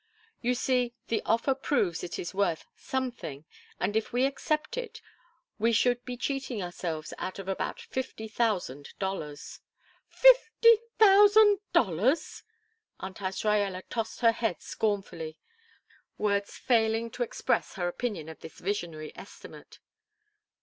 You see, the offer proves it is worth something, and if we accepted it we should be cheating ourselves out of about fifty thousand dollars." "Fifty thousand dollars!" Aunt Azraella tossed her head scornfully, words failing to express her opinion of this visionary estimate.